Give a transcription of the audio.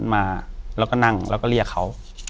อยู่ที่แม่ศรีวิรัยยิวยลครับ